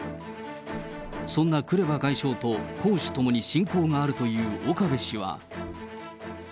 そんなクレバ外相と公私ともに親交があるという岡部氏は。